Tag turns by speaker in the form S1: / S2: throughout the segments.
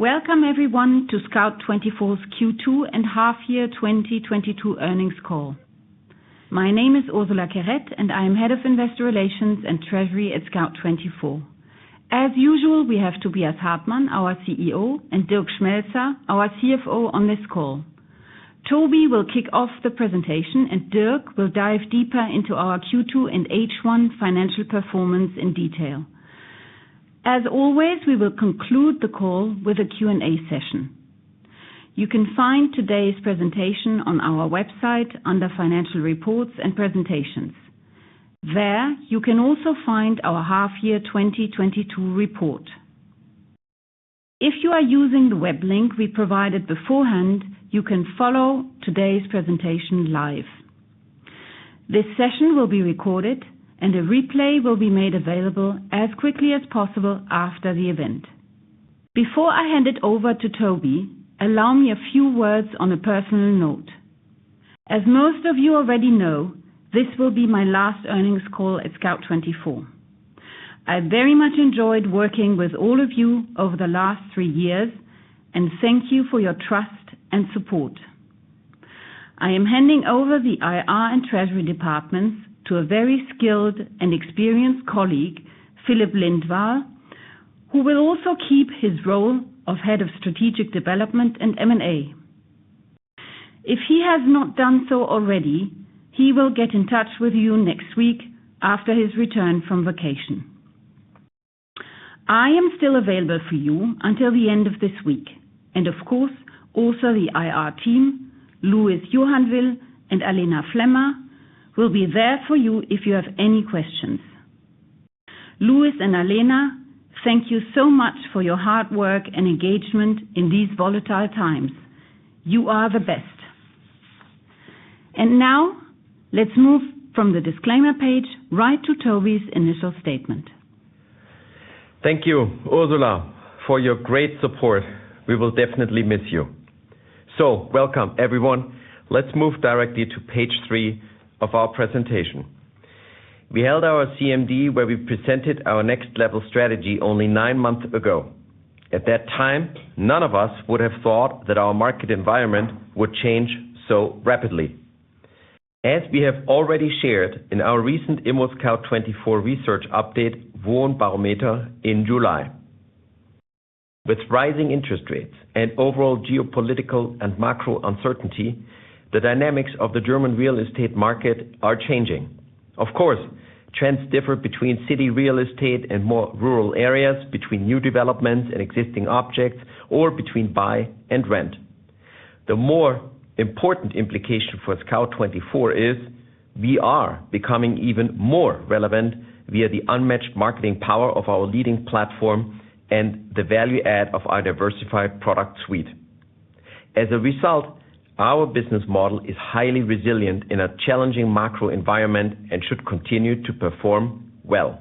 S1: Welcome everyone to Scout24's Q2 and half year 2022 earnings call. My name is Ursula Querette, and I am Head of Investor Relations and Treasury at Scout24. As usual, we have Tobias Hartmann, our CEO, and Dirk Schmelzer, our CFO, on this call. Toby will kick off the presentation and Dirk will dive deeper into our Q2 and H1 financial performance in detail. As always, we will conclude the call with a Q&A session. You can find today's presentation on our website under Financial Reports and Presentations. There, you can also find our half year 2022 report. If you are using the web link we provided beforehand, you can follow today's presentation live. This session will be recorded and a replay will be made available as quickly as possible after the event. Before I hand it over to Toby, allow me a few words on a personal note. As most of you already know, this will be my last earnings call at Scout24. I very much enjoyed working with all of you over the last three years, and thank you for your trust and support. I am handing over the IR and Treasury departments to a very skilled and experienced colleague, Filip Lindvall, who will also keep his role of Head of Strategic Development and M&A. If he has not done so already, he will get in touch with you next week after his return from vacation. I am still available for you until the end of this week, and of course, also the IR team, Lewis Johannville and Alena Flemmer, will be there for you if you have any questions. Lewis and Alena, thank you so much for your hard work and engagement in these volatile times. You are the best. Now let's move from the disclaimer page right to Toby's initial statement.
S2: Thank you, Ursula, for your great support. We will definitely miss you. Welcome, everyone. Let's move directly to page three of our presentation. We held our CMD, where we presented our next level strategy only nine months ago. At that time, none of us would have thought that our market environment would change so rapidly. As we have already shared in our recent ImmoScout24 research update, WohnBarometer in July. With rising interest rates and overall geopolitical and macro uncertainty, the dynamics of the German real estate market are changing. Of course, trends differ between city real estate and more rural areas, between new developments and existing objects, or between buy and rent. The more important implication for Scout24 is we are becoming even more relevant via the unmatched marketing power of our leading platform and the value add of our diversified product suite. As a result, our business model is highly resilient in a challenging macro environment and should continue to perform well.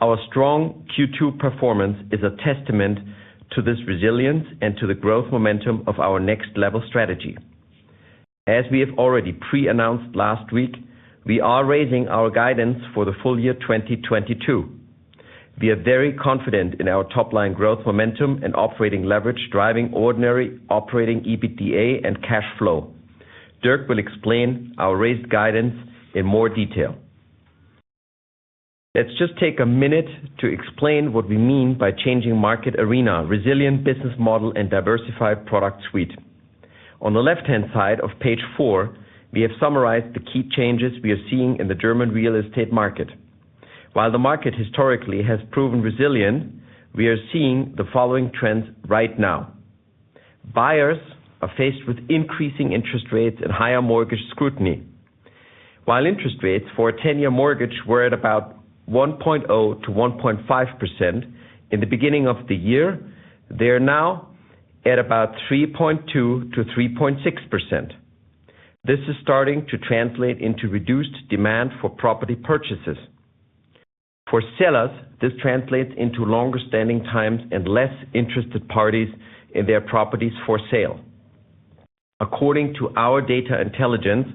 S2: Our strong Q2 performance is a testament to this resilience and to the growth momentum of our next level strategy. As we have already pre-announced last week, we are raising our guidance for the full year 2022. We are very confident in our top line growth momentum and operating leverage, driving ordinary operating EBITDA and cash flow. Dirk will explain our raised guidance in more detail. Let's just take a minute to explain what we mean by changing market arena, resilient business model and diversified product suite. On the left hand side of page four, we have summarized the key changes we are seeing in the German real estate market. While the market historically has proven resilient, we are seeing the following trends right now. Buyers are faced with increasing interest rates and higher mortgage scrutiny. While interest rates for a ten-year mortgage were at about 1.0%-1.5% in the beginning of the year, they are now at about 3.2%-3.6%. This is starting to translate into reduced demand for property purchases. For sellers, this translates into longer standing times and less interested parties in their properties for sale. According to our data intelligence,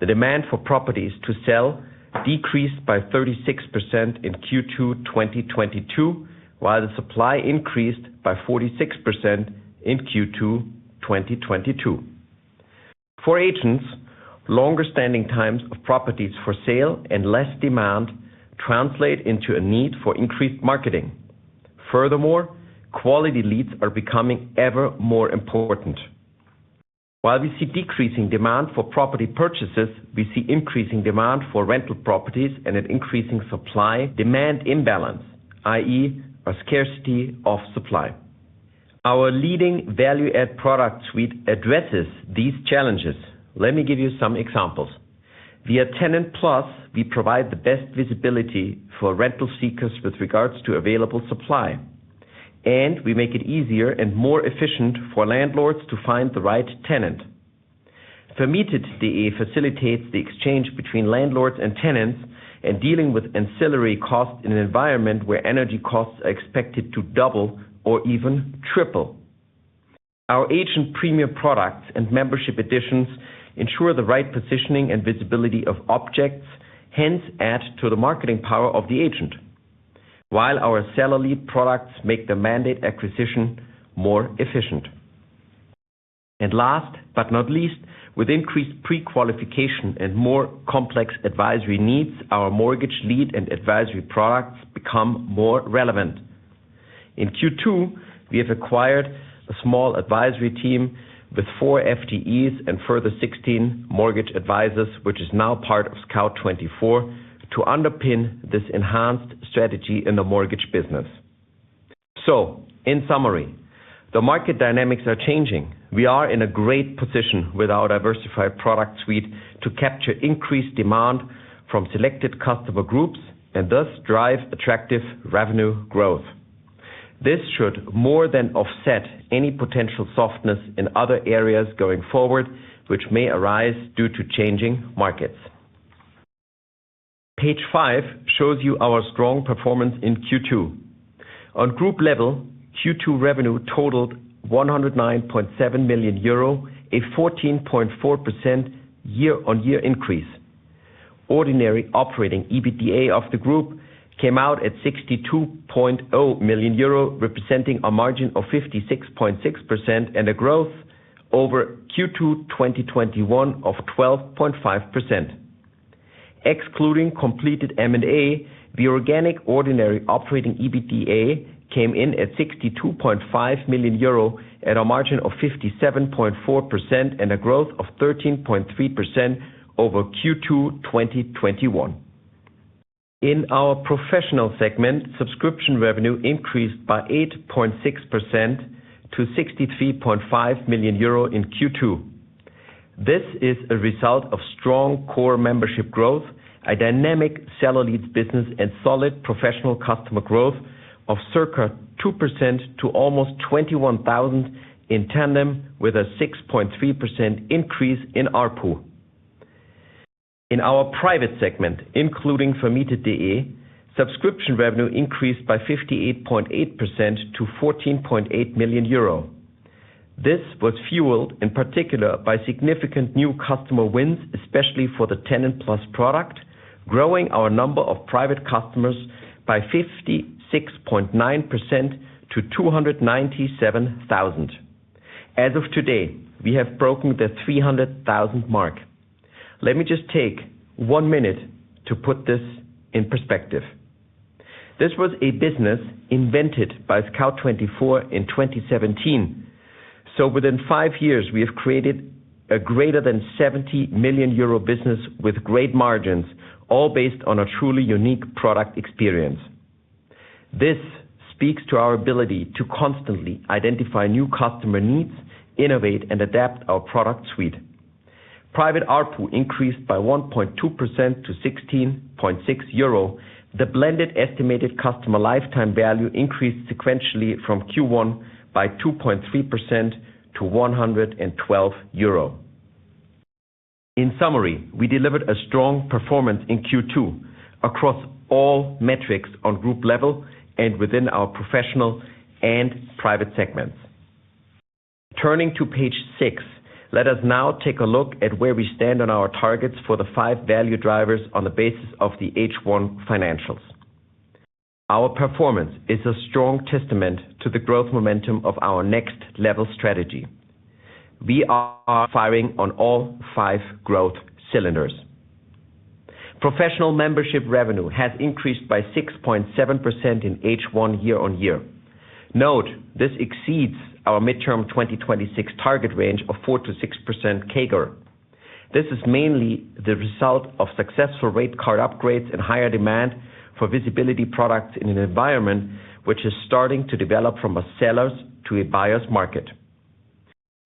S2: the demand for properties to sell decreased by 36% in Q2 2022, while the supply increased by 46% in Q2 2022. For agents, longer standing times of properties for sale and less demand translate into a need for increased marketing. Furthermore, quality leads are becoming ever more important. While we see decreasing demand for property purchases, we see increasing demand for rental properties and an increasing supply demand imbalance, i.e., a scarcity of supply. Our leading value add product suite addresses these challenges. Let me give you some examples. Via TenantPlus, we provide the best visibility for rental seekers with regards to available supply, and we make it easier and more efficient for landlords to find the right tenant. vermietet.de facilitates the exchange between landlords and tenants and dealing with ancillary costs in an environment where energy costs are expected to double or even triple. Our agent premium products and membership additions ensure the right positioning and visibility of objects, hence add to the marketing power of the agent. While our seller lead products make the mandate acquisition more efficient. Last but not least, with increased pre-qualification and more complex advisory needs, our mortgage lead and advisory products become more relevant. In Q2, we have acquired a small advisory team with four FTEs and further 16 mortgage advisors, which is now part of Scout24 to underpin this enhanced strategy in the mortgage business. In summary, the market dynamics are changing. We are in a great position with our diversified product suite to capture increased demand from selected customer groups and thus drive attractive revenue growth. This should more than offset any potential softness in other areas going forward which may arise due to changing markets. Page five shows you our strong performance in Q2. On group level, Q2 revenue totaled 109.7 million euro, a 14.4% year-on-year increase. Ordinary operating EBITDA of the group came out at 62.0 million euro, representing a margin of 56.6% and a growth over Q2 2021 of 12.5%. Excluding completed M&A, the organic ordinary operating EBITDA came in at 62.5 million euro at a margin of 57.4% and a growth of 13.3% over Q2 2021. In our professional segment, subscription revenue increased by 8.6% to 63.5 million euro in Q2. This is a result of strong core membership growth, a dynamic seller leads business and solid professional customer growth of circa 2% to almost 21,000 in tandem with a 6.3% increase in ARPU. In our private segment, including vermietet.de, subscription revenue increased by 58.8% to 14.8 million euro. This was fueled in particular by significant new customer wins, especially for the TenantPlus product, growing our number of private customers by 56.9% to 297,000. As of today, we have broken the 300,000 mark. Let me just take one minute to put this in perspective. This was a business invented by Scout24 in 2017. Within five years, we have created a greater than 70 million euro business with great margins, all based on a truly unique product experience. This speaks to our ability to constantly identify new customer needs, innovate and adapt our product suite. Private ARPU increased by 1.2% to 16.6 euro. The blended estimated customer lifetime value increased sequentially from Q1 by 2.3% to 112 euro. In summary, we delivered a strong performance in Q2 across all metrics on group level and within our professional and private segments. Turning to page six, let us now take a look at where we stand on our targets for the five value drivers on the basis of the H1 financials. Our performance is a strong testament to the growth momentum of our next level strategy. We are firing on all five growth cylinders. Professional membership revenue has increased by 6.7% in H1 year-on-year. Note, this exceeds our midterm 2026 target range of 4%-6% CAGR. This is mainly the result of successful rate card upgrades and higher demand for visibility products in an environment which is starting to develop from a seller's to a buyer's market.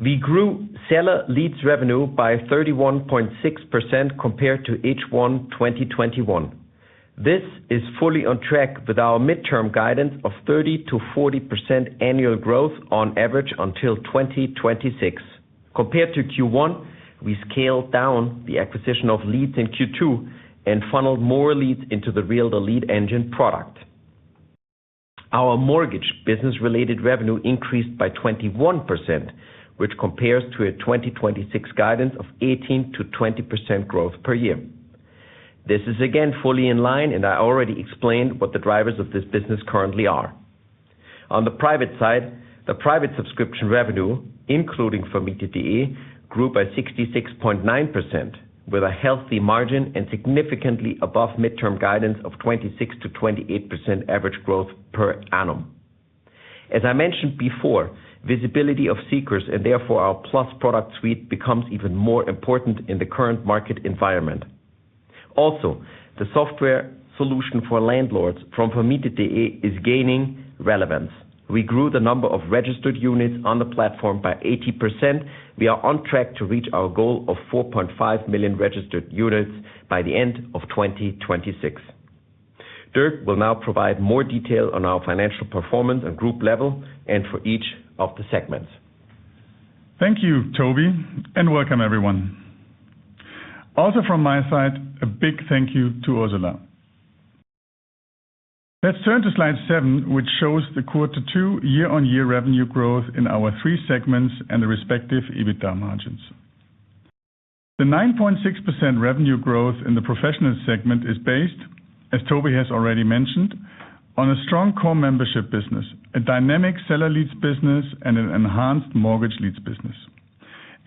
S2: We grew seller leads revenue by 31.6% compared to H1 2021. This is fully on track with our midterm guidance of 30%-40% annual growth on average until 2026. Compared to Q1, we scaled down the acquisition of leads in Q2 and funneled more leads into the Realtor Lead Engine product. Our mortgage business-related revenue increased by 21%, which compares to a 2026 guidance of 18%-20% growth per year. This is again fully in line, and I already explained what the drivers of this business currently are. On the private side, the private subscription revenue, including vermietet.de, grew by 66.9% with a healthy margin and significantly above midterm guidance of 26%-28% average growth per annum. As I mentioned before, visibility of seekers and therefore our Plus product suite becomes even more important in the current market environment. Also, the software solution for landlords from vermietet.de is gaining relevance. We grew the number of registered units on the platform by 80%. We are on track to reach our goal of 4.5 million registered units by the end of 2026. Dirk will now provide more detail on our financial performance at group level and for each of the segments.
S3: Thank you, Toby, and welcome everyone. Also from my side, a big thank you to Ursula. Let's turn to slide seven, which shows the Q2 year-over-year revenue growth in our three segments and the respective EBITDA margins. The 9.6% revenue growth in the professional segment is based, as Toby has already mentioned, on a strong core membership business, a dynamic seller leads business, and an enhanced mortgage leads business.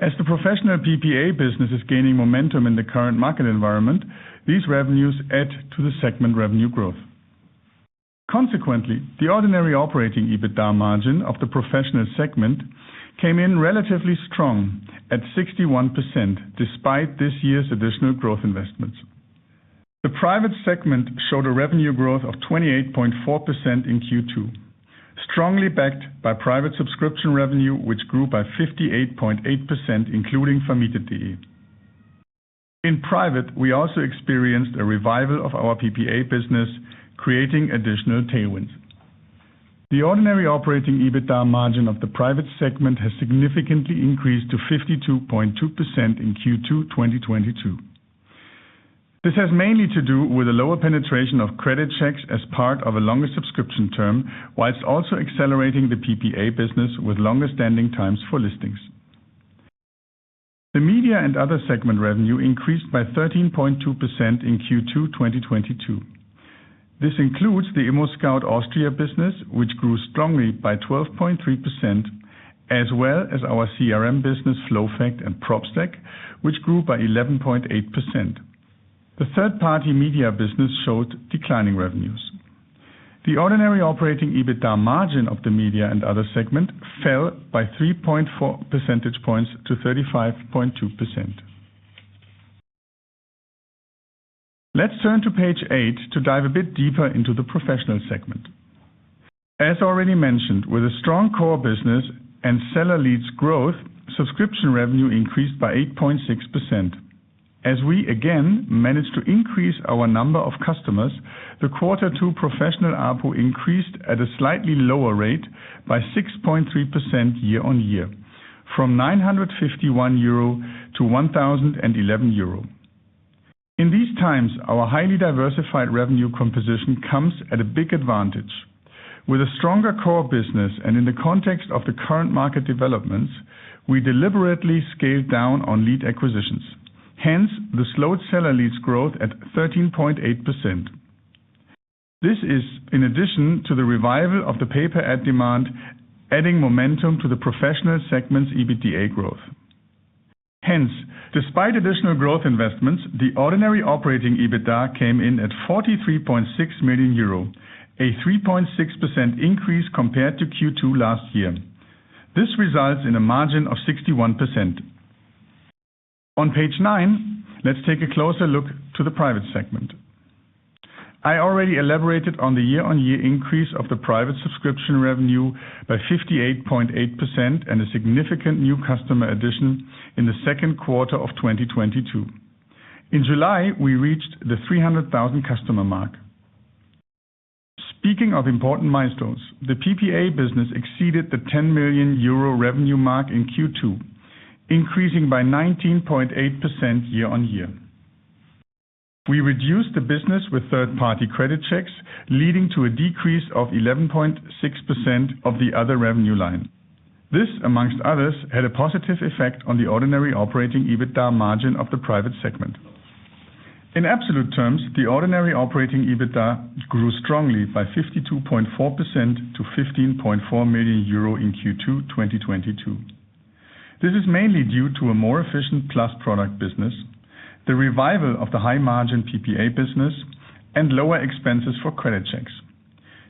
S3: As the professional PPA business is gaining momentum in the current market environment, these revenues add to the segment revenue growth. Consequently, the ordinary operating EBITDA margin of the professional segment came in relatively strong at 61%, despite this year's additional growth investments. The private segment showed a revenue growth of 28.4% in Q2, strongly backed by private subscription revenue, which grew by 58.8%, including vermietet.de. In private, we also experienced a revival of our PPA business, creating additional tailwinds. The ordinary operating EBITDA margin of the private segment has significantly increased to 52.2% in Q2 2022. This has mainly to do with a lower penetration of credit checks as part of a longer subscription term, while also accelerating the PPA business with longer standing times for listings. The media and other segment revenue increased by 13.2% in Q2 2022. This includes the ImmoScout24 Austria business, which grew strongly by 12.3%, as well as our CRM business, FlowFact and Propstack, which grew by 11.8%. The third-party media business showed declining revenues. The ordinary operating EBITDA margin of the media and other segment fell by 3.4 percentage points to 35.2%. Let's turn to page eight to dive a bit deeper into the professional segment. As already mentioned, with a strong core business and seller leads growth, subscription revenue increased by 8.6%. As we again managed to increase our number of customers, the quarter two professional ARPU increased at a slightly lower rate by 6.3% year-on-year from 951 euro to 1,011 euro. In these times, our highly diversified revenue composition comes at a big advantage. With a stronger core business and in the context of the current market developments, we deliberately scaled down on lead acquisitions. Hence, the slowed seller leads growth at 13.8%. This is in addition to the revival of the pay per ad demand, adding momentum to the professional segment's EBITDA growth. Hence, despite additional growth investments, the ordinary operating EBITDA came in at 43.6 million euro, a 3.6% increase compared to Q2 last year. This results in a margin of 61%. On page nine, let's take a closer look to the private segment. I already elaborated on the year-on-year increase of the private subscription revenue by 58.8% and a significant new customer addition in the second quarter of 2022. In July, we reached the 300,000 customer mark. Speaking of important milestones, the PPA business exceeded the 10 million euro revenue mark in Q2, increasing by 19.8% year-on-year. We reduced the business with third-party credit checks, leading to a decrease of 11.6% of the other revenue line. This, among others, had a positive effect on the ordinary operating EBITDA margin of the private segment. In absolute terms, the ordinary operating EBITDA grew strongly by 52.4% to 15.4 million euro in Q2 2022. This is mainly due to a more efficient plus product business, the revival of the high margin PPA business and lower expenses for credit checks.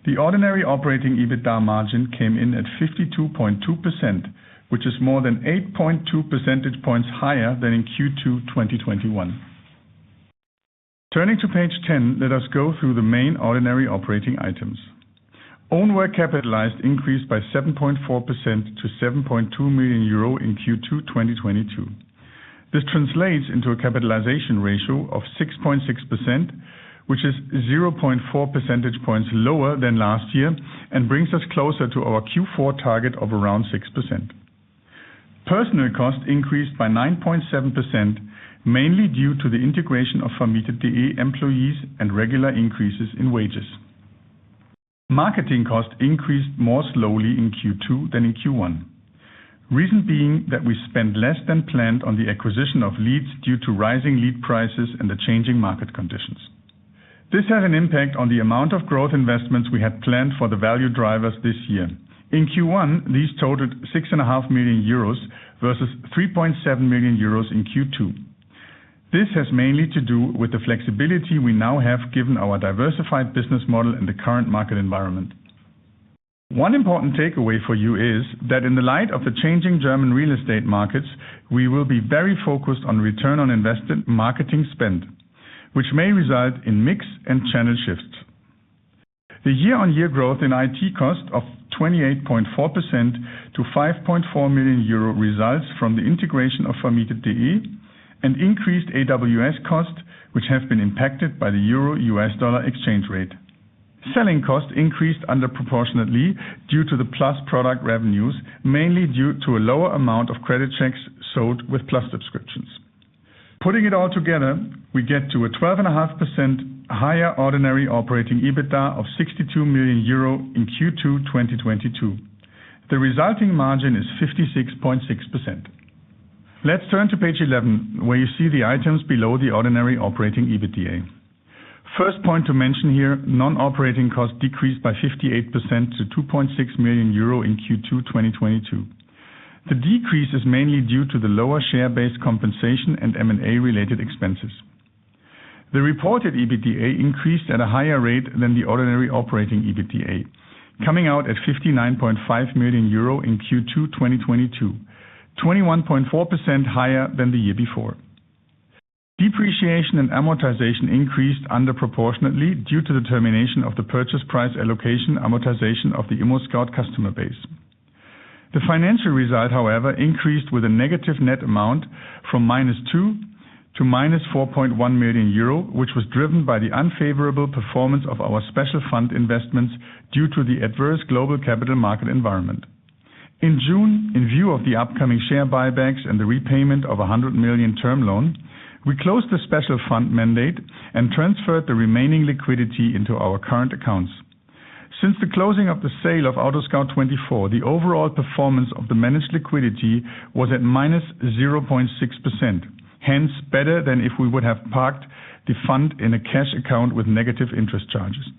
S3: The ordinary operating EBITDA margin came in at 52.2%, which is more than 8.2 percentage points higher than in Q2 2021. Turning to page 10, let us go through the main ordinary operating items. Own work capitalized increased by 7.4% to 7.2 million euro in Q2 2022. This translates into a capitalization ratio of 6.6%, which is 0.4 percentage points lower than last year and brings us closer to our Q4 target of around 6%. Personnel costs increased by 9.7%, mainly due to the integration of vermietet.de employees and regular increases in wages. Marketing costs increased more slowly in Q2 than in Q1. Reason being that we spent less than planned on the acquisition of leads due to rising lead prices and the changing market conditions. This had an impact on the amount of growth investments we had planned for the value drivers this year. In Q1, these totaled 6.5 million euros versus 3.7 million euros in Q2. This has mainly to do with the flexibility we now have given our diversified business model in the current market environment. One important takeaway for you is that in the light of the changing German real estate markets, we will be very focused on return on invested marketing spend, which may result in mix and channel shifts. The year-on-year growth in IT cost of 28.4% to 5.4 million euro results from the integration of vermietet.de and increased AWS costs which have been impacted by the euro-US dollar exchange rate. Selling cost increased disproportionately due to the plus product revenues, mainly due to a lower amount of credit checks sold with plus subscriptions. Putting it all together, we get to a 12.5% higher ordinary operating EBITDA of 62 million euro in Q2 2022. The resulting margin is 56.6%. Let's turn to page 11, where you see the items below the ordinary operating EBITDA. First point to mention here, non-operating costs decreased by 58% to 2.6 million euro in Q2 2022. The decrease is mainly due to the lower share-based compensation and M&A-related expenses. The reported EBITDA increased at a higher rate than the ordinary operating EBITDA, coming out at 59.5 million euro in Q2 2022, 21.4% higher than the year before. Depreciation and amortization increased disproportionately due to the termination of the purchase price allocation amortization of the ImmoScout24 customer base. The financial result, however, increased with a negative net amount from -2 million to -4.1 million euro, which was driven by the unfavorable performance of our special fund investments due to the adverse global capital market environment. In June, in view of the upcoming share buybacks and the repayment of 100 million term loan, we closed the special fund mandate and transferred the remaining liquidity into our current accounts. Since the closing of the sale of AutoScout24, the overall performance of the managed liquidity was at -0.6%. Hence, better than if we would have parked the fund in a cash account with negative interest charges.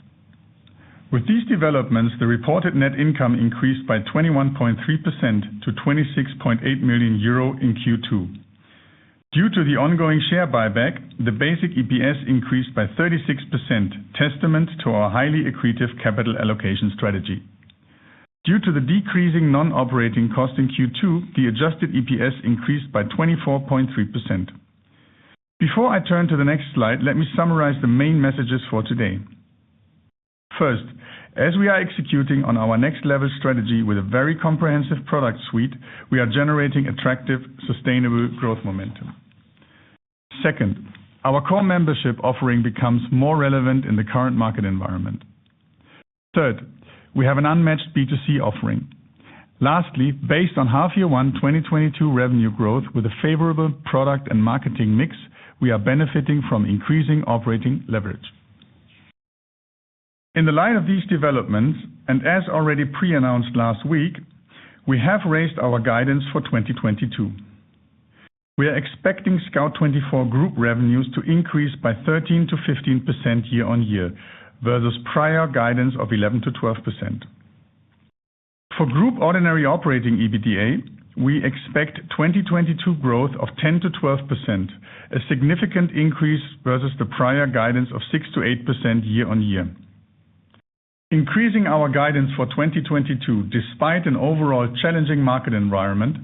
S3: With these developments, the reported net income increased by 21.3% to 26.8 million euro in Q2. Due to the ongoing share buyback, the basic EPS increased by 36%, testament to our highly accretive capital allocation strategy. Due to the decreasing non-operating cost in Q2, the adjusted EPS increased by 24.3%. Before I turn to the next slide, let me summarize the main messages for today. First, as we are executing on our next level strategy with a very comprehensive product suite, we are generating attractive, sustainable growth momentum. Second, our core membership offering becomes more relevant in the current market environment. Third, we have an unmatched B2C offering. Lastly, based on half year one 2022 revenue growth with a favorable product and marketing mix, we are benefiting from increasing operating leverage. In the light of these developments, and as already pre-announced last week, we have raised our guidance for 2022. We are expecting Scout24 group revenues to increase by 13%-15% year-on-year, versus prior guidance of 11%-12%. For group ordinary operating EBITDA, we expect 2022 growth of 10%-12%, a significant increase versus the prior guidance of 6%-8% year-on-year. Increasing our guidance for 2022, despite an overall challenging market environment,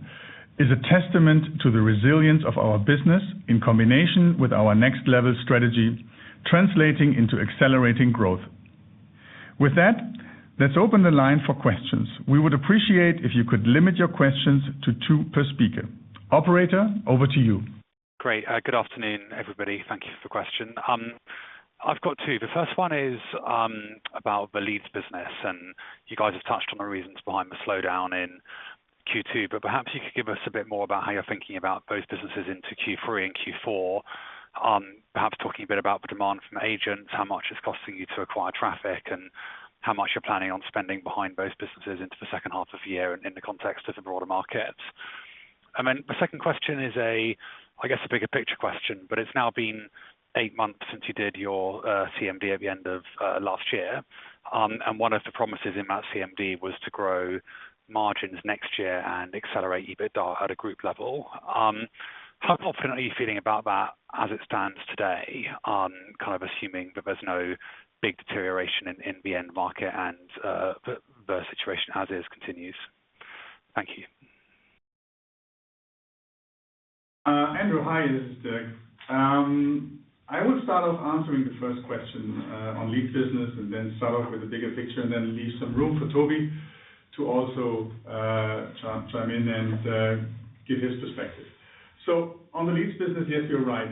S3: is a testament to the resilience of our business in combination with our next level strategy translating into accelerating growth. With that, let's open the line for questions. We would appreciate if you could limit your questions to two per speaker. Operator, over to you.
S4: Great. Good afternoon, everybody. Thank you for the question. I've got two. The first one is about the leads business, and you guys have touched on the reasons behind the slowdown in Q2, but perhaps you could give us a bit more about how you're thinking about both businesses into Q3 and Q4. Perhaps talking a bit about the demand from agents, how much it's costing you to acquire traffic, and how much you're planning on spending behind both businesses into the second half of the year and in the context of the broader market? The second question is a, I guess, a bigger picture question, but it's now been eight months since you did your CMD at the end of last year. One of the promises in that CMD was to grow margins next year and accelerate EBITDA at a group level. How confident are you feeling about that as it stands today, kind of assuming that there's no big deterioration in the end market and the situation as is continues? Thank you.
S3: Andrew, hi. This is Dirk. I will start off answering the first question on leads business and then start off with the bigger picture and then leave some room for Toby to also chime in and give his perspective. On the leads business, yes, you're right.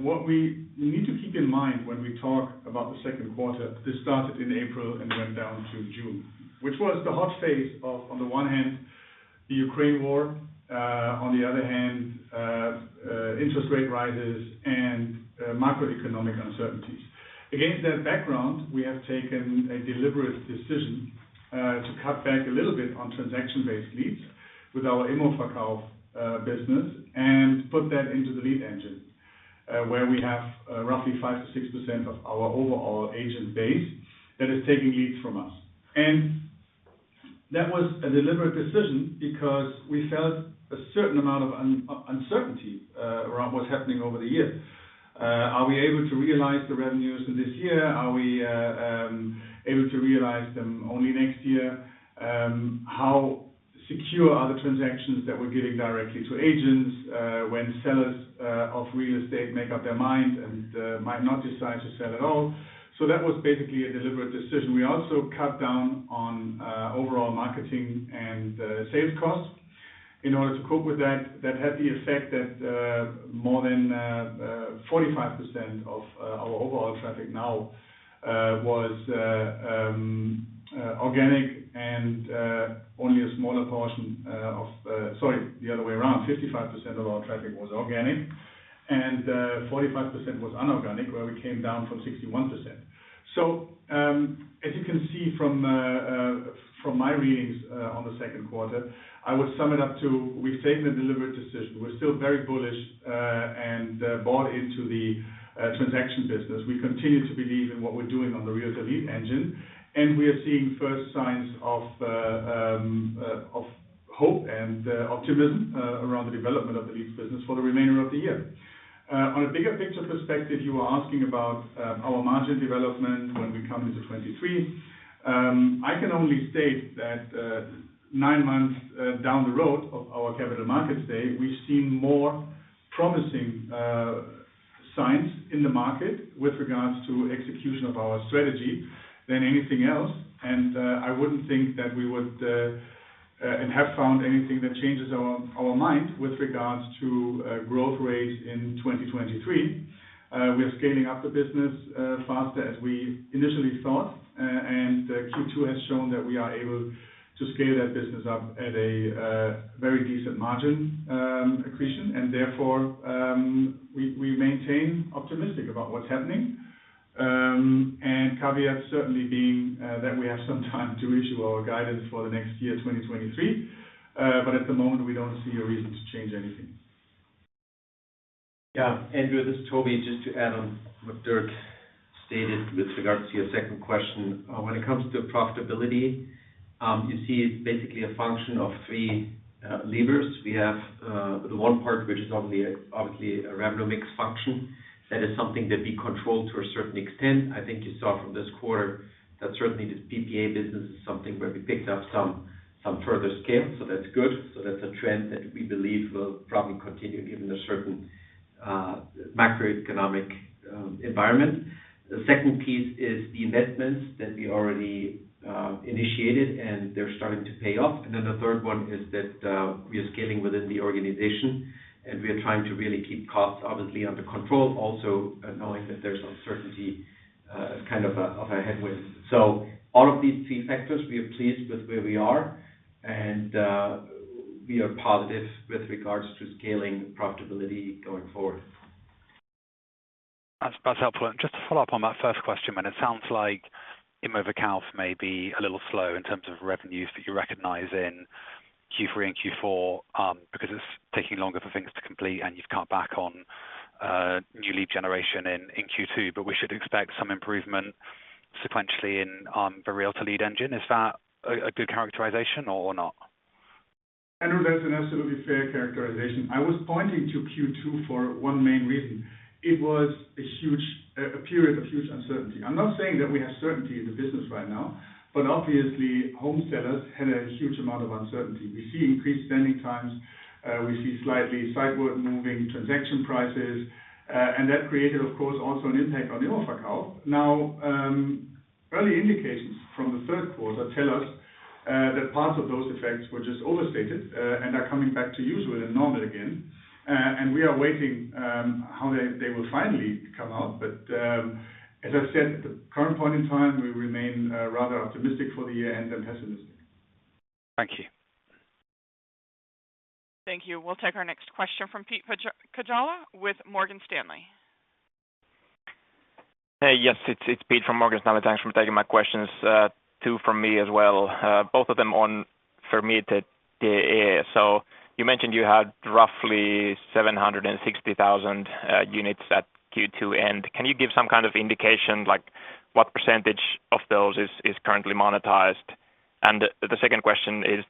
S3: What we need to keep in mind when we talk about the second quarter, this started in April and went down to June, which was the hot phase of, on the one hand, the Ukraine war, on the other hand, interest rate rises and macroeconomic uncertainties. Against that background, we have taken a deliberate decision to cut back a little bit on transaction-based leads with our immoverkauf24 business and put that into the Realtor Lead Engine, where we have roughly 5%-6% of our overall agent base that is taking leads from us. That was a deliberate decision because we felt a certain amount of uncertainty around what's happening over the years. Are we able to realize the revenues in this year? Are we able to realize them only next year? How secure are the transactions that we're giving directly to agents when sellers of real estate make up their mind and might not decide to sell at all? That was basically a deliberate decision. We also cut down on overall marketing and sales costs in order to cope with that. That had the effect that 55% of our traffic was organic and 45% was inorganic, where we came down from 61%. As you can see from my readings on the second quarter, I would sum it up to we've taken a deliberate decision. We're still very bullish and bought into the transaction business. We continue to believe in what we're doing on the Realtor Lead Engine, and we are seeing first signs of hope and optimism around the development of the leads business for the remainder of the year. On a bigger picture perspective, you are asking about our margin development when we come into 2023. I can only state that nine months down the road of our capital markets day, we've seen more promising signs in the market with regards to execution of our strategy than anything else. I wouldn't think that we would and have found anything that changes our mind with regards to growth rate in 2023. We are scaling up the business faster as we initially thought. Q2 has shown that we are able to scale that business up at a very decent margin accretion. Therefore, we maintain optimistic about what's happening. Caveat certainly being that we have some time to issue our guidance for the next year, 2023. At the moment, we don't see a reason to change anything.
S2: Yeah. Andrew, this is Toby. Just to add on what Dirk stated with regards to your second question. When it comes to profitability, you see it's basically a function of three levers. We have the one part which is obviously a revenue mix function. That is something that we control to a certain extent. I think you saw from this quarter that certainly this PPA business is something where we picked up some further scale, so that's good. That's a trend that we believe will probably continue given a certain macroeconomic environment. The second piece is the investments that we already initiated, and they're starting to pay off. Then the third one is that we are scaling within the organization, and we are trying to really keep costs obviously under control. Also knowing that there's uncertainty as kind of a headwind. All of these three factors, we are pleased with where we are. We are positive with regards to scaling profitability going forward.
S4: That's helpful. Just to follow up on that first question, and it sounds like immoverkauf24 may be a little slow in terms of revenues that you recognize in Q3 and Q4, because it's taking longer for things to complete and you've cut back on new lead generation in Q2. We should expect some improvement sequentially in the Realtor Lead Engine. Is that a good characterization or not?
S3: Andrew, that's an absolutely fair characterization. I was pointing to Q2 for one main reason. It was a period of huge uncertainty. I'm not saying that we have certainty in the business right now, but obviously home sellers had a huge amount of uncertainty. We see increased selling times. We see slightly sideways moving transaction prices. That created, of course, also an impact on the offer count. Now, early indications from the third quarter tell us that parts of those effects were just overstated and are coming back to usual and normal again. We are waiting how they will finally come out. As I said, at the current point in time, we remain rather optimistic for the year and then hesitant.
S4: Thank you.
S5: Thank you. We'll take our next question from Pete Pajala with Morgan Stanley.
S6: Hey, yes, it's Pete from Morgan Stanley. Thanks for taking my questions. Two from me as well. Both of them on vermietet.de. You mentioned you had roughly 760,000 units at Q2 end. Can you give some kind of indication like what percentage of those is currently monetized? The second question is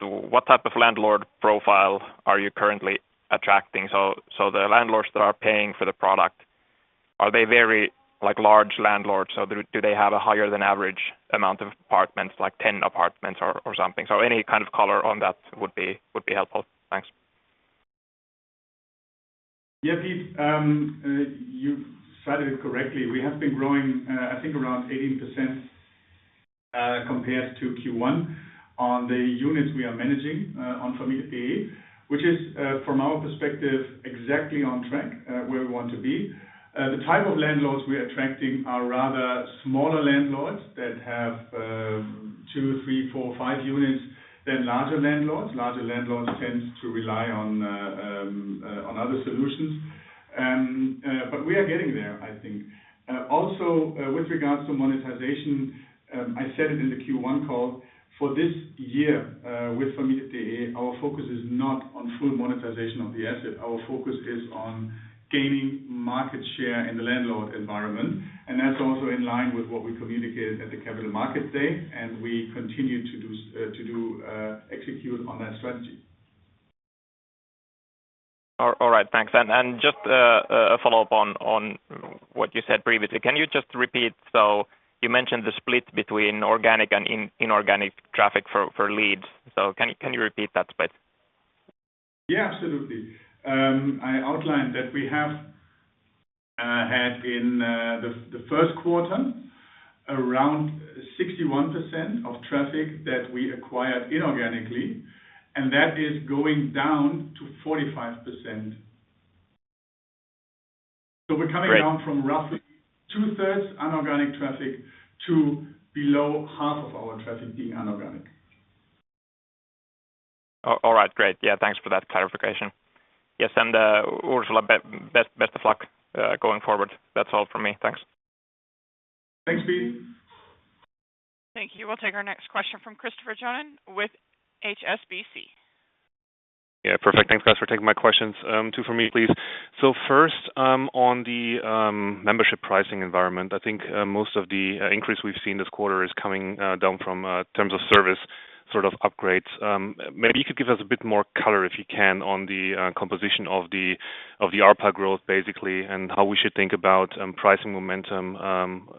S6: what type of landlord profile are you currently attracting? The landlords that are paying for the product, are they very like large landlords? Do they have a higher than average amount of apartments, like 10 apartments or something? Any kind of color on that would be helpful. Thanks.
S3: Yeah, Pete. You stated it correctly. We have been growing, I think around 18%, compared to Q1 on the units we are managing on vermietet.de, which is, from our perspective, exactly on track where we want to be. The type of landlords we are attracting are rather smaller landlords that have two, three, four, five units than larger landlords. Larger landlords tend to rely on other solutions. We are getting there, I think. Also, with regards to monetization, I said it in the Q1 call. For this year, with vermietet.de, our focus is not on full monetization of the asset. Our focus is on gaining market share in the landlord environment, and that's also in line with what we communicated at the capital markets day, and we continue to execute on that strategy.
S6: All right. Thanks. Just a follow-up on what you said previously. Can you just repeat? You mentioned the split between organic and inorganic traffic for leads. Can you repeat that split?
S3: Yeah, absolutely. I outlined that we have had in the first quarter around 61% of traffic that we acquired inorganically, and that is going down to 45%. We're coming down from roughly two-thirds inorganic traffic to below half of our traffic being inorganic.
S6: All right, great. Yeah, thanks for that clarification. Yes, Ursula, best of luck going forward. That's all from me. Thanks.
S3: Thanks, Pete.
S5: Thank you. We'll take our next question from Christopher Johnen with HSBC.
S7: Yeah, perfect. Thanks, guys, for taking my questions. Two for me, please. First, on the membership pricing environment, I think most of the increase we've seen this quarter is coming down from terms of service, sort of upgrades. Maybe you could give us a bit more color, if you can, on the composition of the ARPA growth, basically, and how we should think about pricing momentum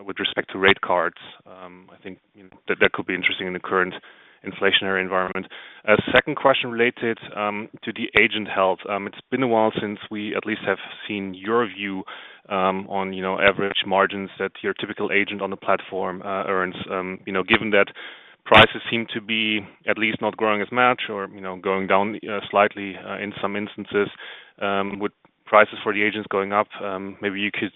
S7: with respect to rate cards. I think that could be interesting in the current inflationary environment. Second question related to the agent health. It's been a while since we at least have seen your view on, you know, average margins that your typical agent on the platform earns. You know, given that prices seem to be at least not growing as much or, you know, going down slightly in some instances, with prices for the agents going up, maybe you could,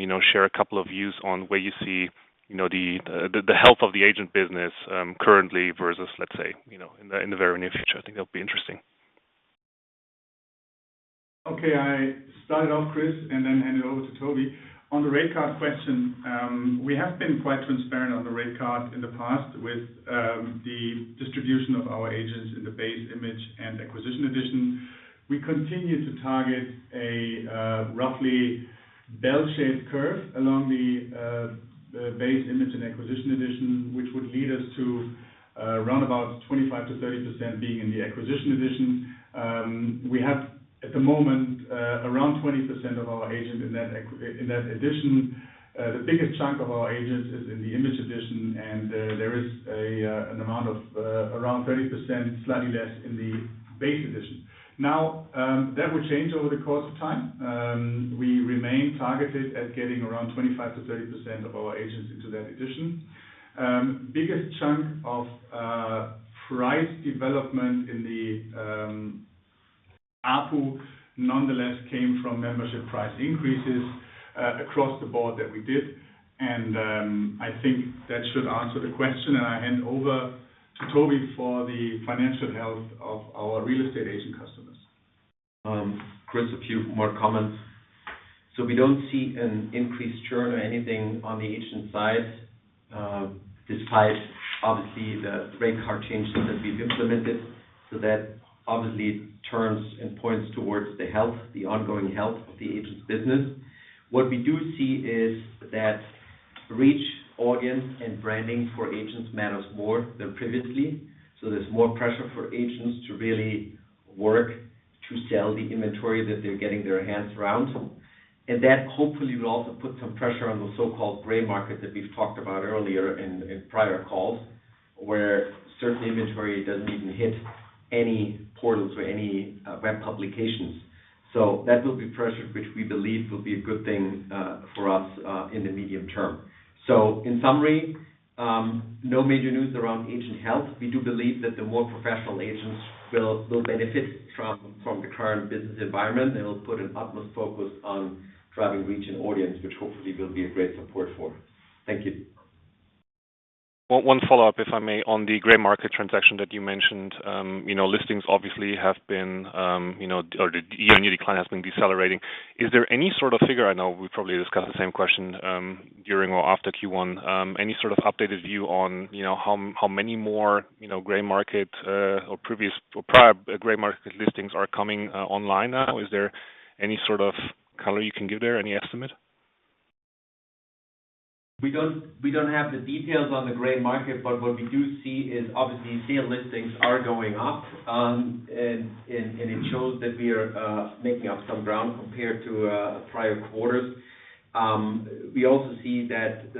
S7: you know, share a couple of views on where you see the health of the agent business currently versus, let's say, you know, in the very near future. I think that'll be interesting.
S3: Okay. I start it off, Chris, and then hand it over to Toby. On the rate card question, we have been quite transparent on the rate card in the past with the distribution of our agents in the Basic, Image and Acquisition Edition. We continue to target a roughly bell-shaped curve along the Basic, Image and Acquisition Edition, which would lead us to around about 25%-30% being in the Acquisition Edition. We have at the moment around 20% of our agent in that edition. The biggest chunk of our agents is in the Image Edition, and there is an amount of around 30%, slightly less in the Basic Edition. Now, that will change over the course of time. We remain targeted at getting around 25%-30% of our agents into that edition. Biggest chunk of price development in the ARPU nonetheless came from membership price increases across the board that we did. I think that should answer the question. I hand over to Toby for the financial health of our real estate agent customers.
S2: Chris, a few more comments. We don't see an increased churn or anything on the agent side, despite obviously the rate card changes that we've implemented. That obviously turns and points towards the health, the ongoing health of the agents business. What we do see is that reach audience and branding for agents matters more than previously. There's more pressure for agents to really work to sell the inventory that they're getting their hands around. And that hopefully will also put some pressure on the so-called gray market that we've talked about earlier in prior calls, where certain inventory doesn't even hit any portals or any web publications. That will be pressure, which we believe will be a good thing for us in the medium term. In summary, no major news around agent health. We do believe that the more professional agents will benefit from the current business environment. They will put an utmost focus on driving reach and audience, which hopefully will be a great support for us. Thank you.
S7: One follow-up, if I may, on the gray market transaction that you mentioned. You know, listings obviously have been, you know, or the year-on-year decline has been decelerating. Is there any sort of figure, I know we probably discussed the same question, during or after Q1, any sort of updated view on, you know, how many more, you know, gray market, or previous or prior gray market listings are coming, online now? Is there any sort of color you can give there? Any estimate?
S2: We don't have the details on the gray market, but what we do see is obviously sale listings are going up, and it shows that we are making up some ground compared to prior quarters. We also see that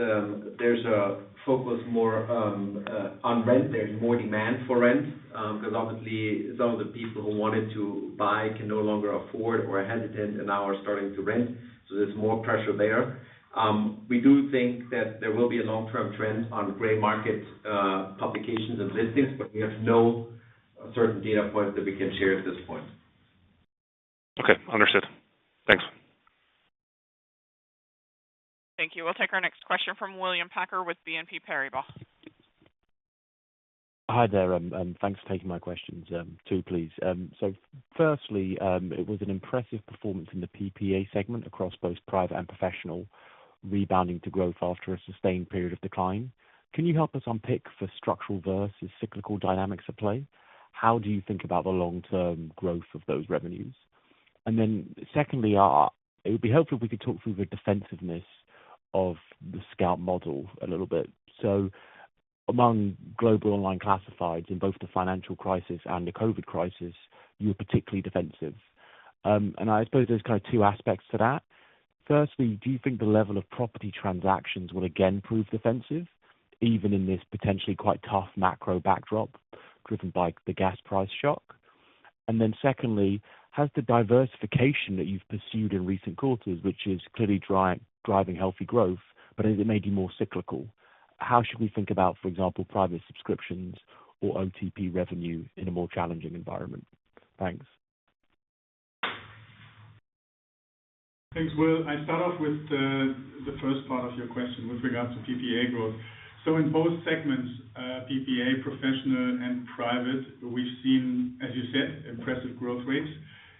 S2: there's a focus more on rent. There's more demand for rent 'cause obviously some of the people who wanted to buy can no longer afford or are hesitant and now are starting to rent. There's more pressure there. We do think that there will be a long-term trend on gray market publications and listings, but we have no certain data point that we can share at this point.
S7: Okay. Understood. Thanks.
S5: Thank you. We'll take our next question from William Packer with BNP Paribas.
S8: Hi there. Thanks for taking my questions. Two, please. Firstly, it was an impressive performance in the PPA segment across both private and professional rebounding to growth after a sustained period of decline. Can you help us unpick the structural versus cyclical dynamics at play? How do you think about the long-term growth of those revenues? Then secondly, it would be helpful if we could talk through the defensiveness of the Scout model a little bit. Among global online classifieds in both the financial crisis and the COVID crisis, you were particularly defensive. I suppose there's kind of two aspects to that. Firstly, do you think the level of property transactions will again prove defensive, even in this potentially quite tough macro backdrop driven by the gas price shock? Secondly, has the diversification that you've pursued in recent quarters, which is clearly driving healthy growth, but it may be more cyclical? How should we think about, for example, private subscriptions or OTP revenue in a more challenging environment? Thanks.
S3: Thanks, Will. I start off with the first part of your question with regards to PPA growth. In both segments, PPA, professional and private, we've seen impressive growth rates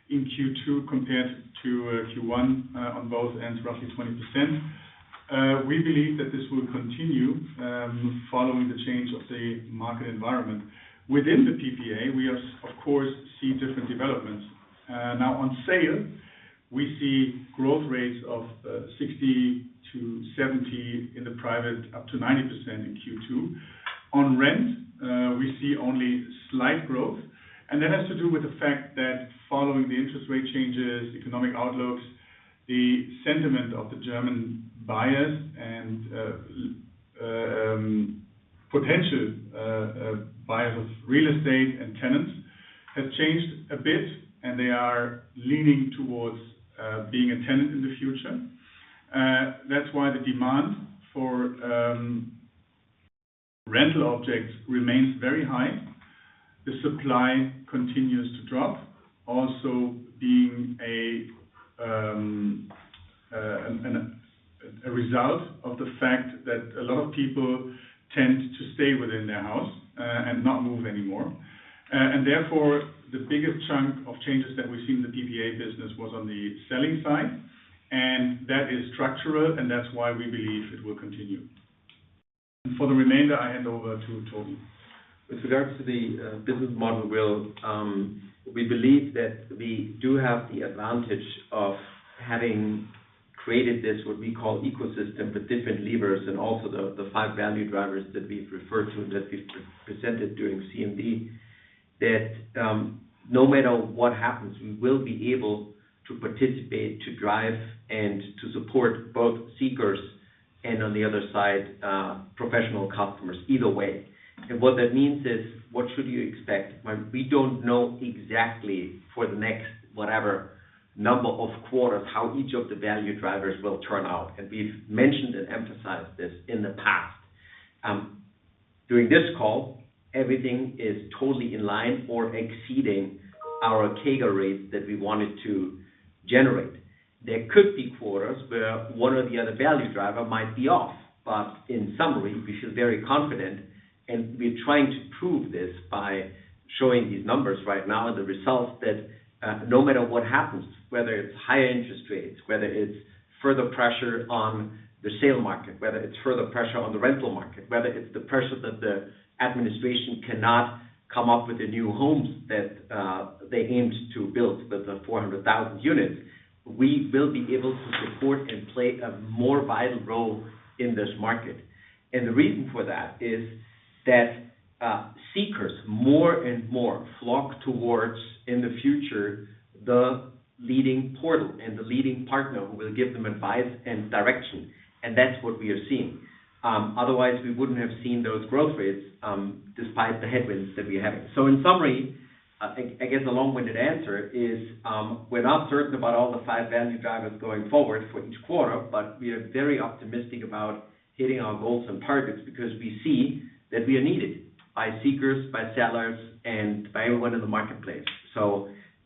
S3: in Q2 compared to Q1 on both ends, roughly 20%. We believe that this will continue following the change of the market environment. Within the PPA, we of course see different developments. Now on sale, we see growth rates of 60%-70% in the private, up to 90% in Q2. On rent, we see only slight growth, and that has to do with the fact that following the interest rate changes, economic outlooks, the sentiment of the German buyers and potential buyers of real estate and tenants have changed a bit, and they are leaning towards being a tenant in the future. That's why the demand for rental objects remains very high. The supply continues to drop, also being a result of the fact that a lot of people tend to stay within their house and not move anymore. Therefore, the biggest chunk of changes that we see in the PPA business was on the selling side, and that is structural, and that's why we believe it will continue. For the remainder, I hand over to Tobias Hartmann.
S2: With regards to the business model, William, we believe that we do have the advantage of having created this what we call ecosystem with different levers and also the five value drivers that we've referred to and that we've pre-presented during CMD. That no matter what happens, we will be able to participate, to drive, and to support both seekers and on the other side, professional customers either way. What that means is what should you expect when we don't know exactly for the next whatever number of quarters, how each of the value drivers will turn out. We've mentioned and emphasized this in the past. During this call, everything is totally in line or exceeding our CAGR rates that we wanted to generate. There could be quarters where one or the other value driver might be off. In summary, we feel very confident, and we're trying to prove this by showing these numbers right now, the results that, no matter what happens, whether it's higher interest rates, whether it's further pressure on the sale market, whether it's further pressure on the rental market, whether it's the pressure that the administration cannot come up with the new homes that they aimed to build with the 400,000 units, we will be able to support and play a more vital role in this market. The reason for that is that seekers more and more flock towards, in the future, the leading portal and the leading partner who will give them advice and direction. That's what we are seeing. Otherwise, we wouldn't have seen those growth rates, despite the headwinds that we're having. In summary, again, the long-winded answer is, we're not certain about all the five value drivers going forward for each quarter, but we are very optimistic about hitting our goals and targets because we see that we are needed by seekers, by sellers, and by everyone in the marketplace.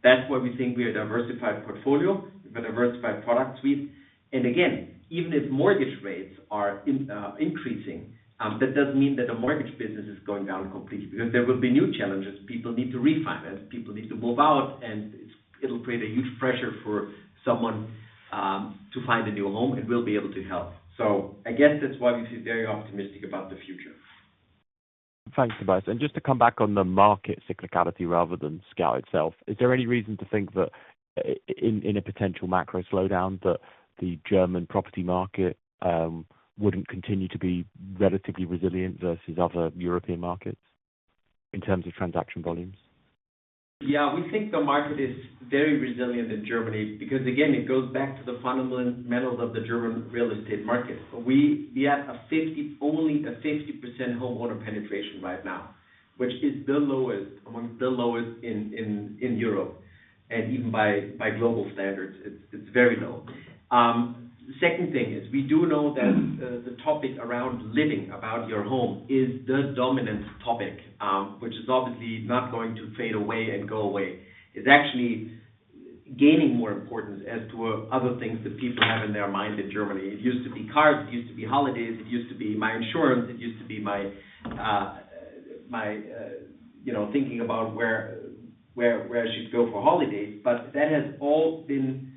S2: That's why we think we're a diversified portfolio with a diversified product suite. Again, even if mortgage rates are increasing, that doesn't mean that the mortgage business is going down completely because there will be new challenges. People need to refinance, people need to move out, and it'll create a huge pressure for someone to find a new home, and we'll be able to help. I guess that's why we feel very optimistic about the future.
S8: Thanks, Tobias. Just to come back on the market cyclicality rather than Scout itself, is there any reason to think that in a potential macro slowdown, that the German property market wouldn't continue to be relatively resilient versus other European markets in terms of transaction volumes?
S2: Yeah. We think the market is very resilient in Germany because again, it goes back to the fundamentals of the German real estate market. We have only a 50% homeowner penetration right now, which is the lowest, amongst the lowest in Europe. Even by global standards, it's very low. Second thing is we do know that the topic around living, about your home is the dominant topic, which is obviously not going to fade away and go away. It's actually gaining more importance as to other things that people have in their mind in Germany. It used to be cars, it used to be holidays, it used to be my insurance, it used to be my you know, thinking about where I should go for holidays. That has all been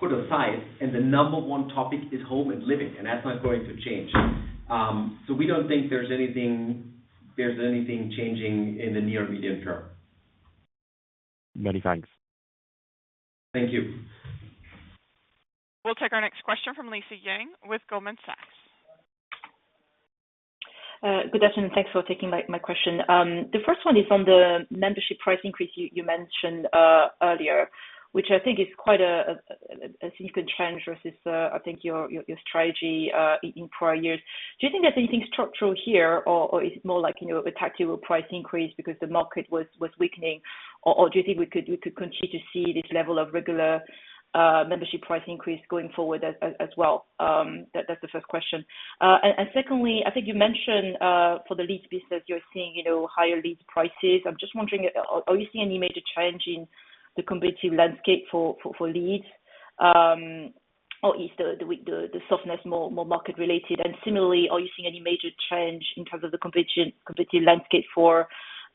S2: put aside, and the number one topic is home and living, and that's not going to change. We don't think there's anything changing in the near or medium term.
S8: Many thanks.
S2: Thank you.
S5: We'll take our next question from Lisa Yang with Goldman Sachs.
S9: Good afternoon. Thanks for taking my question. The first one is on the membership price increase you mentioned earlier, which I think is quite a significant change versus, I think your strategy in prior years. Do you think that there's anything structural here or is it more like, you know, a tactical price increase because the market was weakening? Or do you think we could continue to see this level of regular membership price increase going forward as well? That's the first question. Secondly, I think you mentioned for the leads business, you're seeing, you know, higher leads prices. I'm just wondering, are you seeing any major change in the competitive landscape for leads? Is the softness more market related? Similarly, are you seeing any major change in terms of the competitive landscape for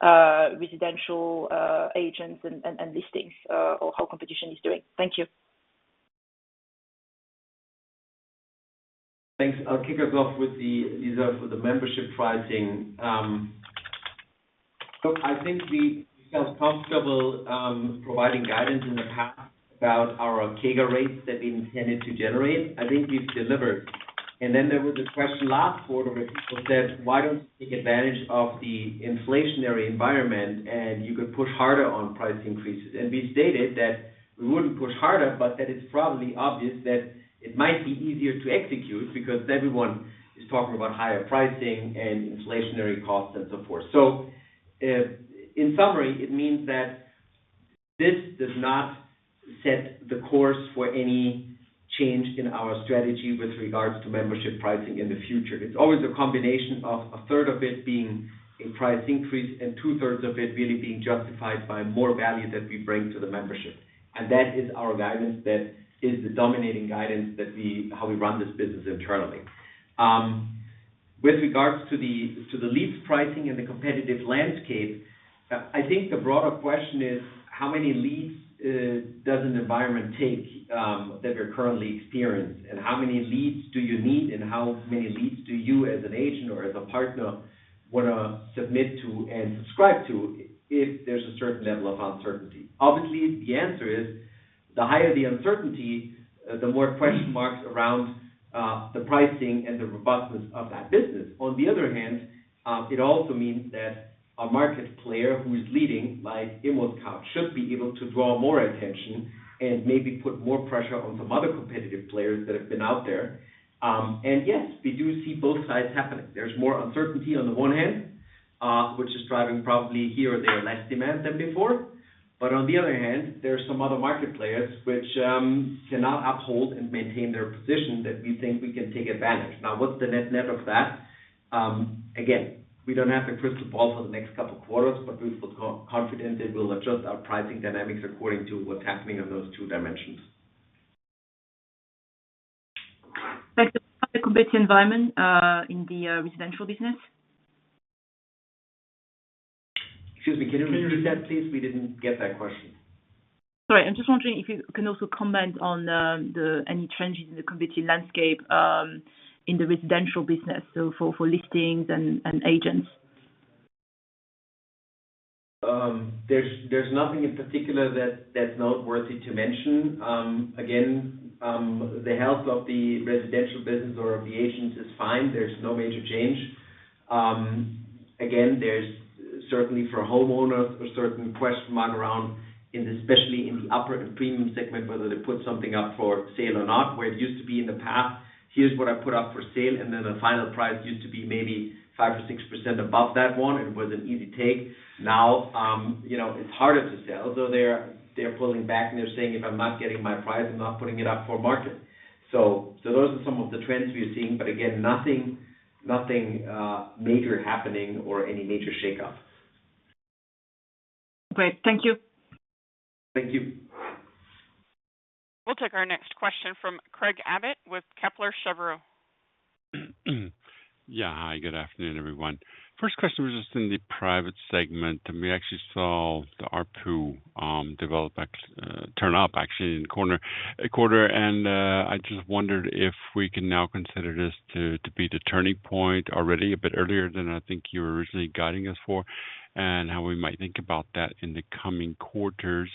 S9: residential agents and listings, or how competition is doing? Thank you.
S2: Thanks. I'll kick us off with Lisa, for the membership pricing. Look, I think we felt comfortable providing guidance in the past about our CAGR rates that we intended to generate. I think we've delivered. Then there was this question last quarter where people said, "Why don't you take advantage of the inflationary environment and you could push harder on price increases?" We stated that we wouldn't push harder, but that it's probably obvious that it might be easier to execute because everyone is talking about higher pricing and inflationary costs and so forth. In summary, it means that this does not set the course for any change in our strategy with regards to membership pricing in the future. It's always a combination of a third of it being a price increase and two-thirds of it really being justified by more value that we bring to the membership. That is our guidance, that is the dominating guidance that we run this business internally. With regards to the leads pricing and the competitive landscape, I think the broader question is, how many leads does an environment take that you're currently experiencing? How many leads do you need, and how many leads do you as an agent or as a partner wanna submit to and subscribe to if there's a certain level of uncertainty? Obviously, the answer is, the higher the uncertainty, the more question marks around the pricing and the robustness of that business. On the other hand, it also means that a market player who is leading, like ImmoScout24, should be able to draw more attention and maybe put more pressure on some other competitive players that have been out there. Yes, we do see both sides happening. There's more uncertainty on the one hand, which is driving probably here or there, less demand than before. On the other hand, there are some other market players which cannot uphold and maintain their position that we think we can take advantage. Now, what's the net-net of that? Again, we don't have a crystal ball for the next couple of quarters, but we feel confident that we'll adjust our pricing dynamics according to what's happening on those two dimensions.
S9: Like the competitive environment in the residential business.
S2: Excuse me, can you repeat that, please? We didn't get that question.
S9: Sorry. I'm just wondering if you can also comment on any trends in the competitive landscape in the residential business, so for listings and agents.
S2: There's nothing in particular that's not worthy to mention. The health of the residential business or of the agents is fine. There's no major change. There's certainly for homeowners a certain question mark around, especially in the upper premium segment, whether to put something up for sale or not, where it used to be in the past. Here's what I put up for sale, and then the final price used to be maybe 5%-6% above that one. It was an easy take. Now, you know, it's harder to sell. So they're pulling back and they're saying, "If I'm not getting my price, I'm not putting it on the market." So those are some of the trends we are seeing. Again, nothing major happening or any major shakeups.
S9: Great. Thank you.
S2: Thank you.
S5: We'll take our next question from Craig Abbott with Kepler Cheuvreux.
S10: Yeah. Hi, good afternoon, everyone. First question was just in the private segment, and we actually saw the ARPU turn up actually in the quarter. I just wondered if we can now consider this to be the turning point already a bit earlier than I think you were originally guiding us for, and how we might think about that in the coming quarters.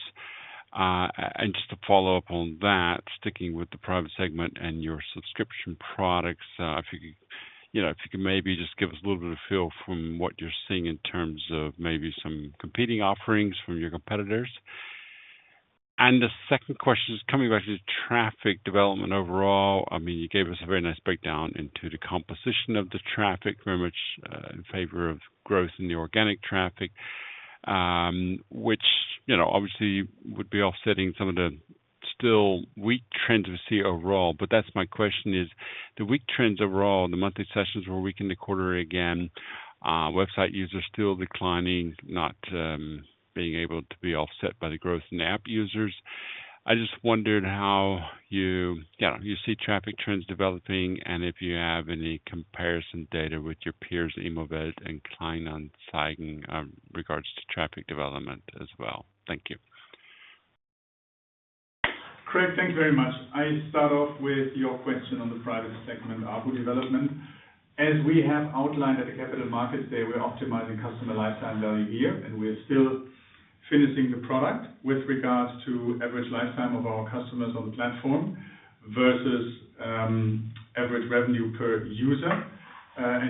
S10: And just to follow up on that, sticking with the private segment and your subscription products, if you could, you know, if you could maybe just give us a little bit of feel from what you're seeing in terms of maybe some competing offerings from your competitors. The second question is coming back to the traffic development overall. I mean, you gave us a very nice breakdown into the composition of the traffic, very much in favor of growth in the organic traffic, which, you know, obviously would be offsetting some of the still weak trends we see overall. That's my question is, the weak trends overall, the monthly sessions were weak in the quarter again. Website users still declining, not being able to be offset by the growth in app users. I just wondered how you, yeah, you see traffic trends developing and if you have any comparison data with your peers, immowelt and Kleinanzeigen, regards to traffic development as well. Thank you.
S3: Craig, thank you very much. I start off with your question on the private segment, ARPU development. As we have outlined at the Capital Markets Day, we're optimizing customer lifetime value here, and we're still finishing the product with regards to average lifetime of our customers on the platform. Versus average revenue per user.